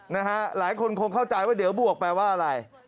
หลายคนคงเข้าใจว่าเดี๋ยวบวกแปลว่าอะไร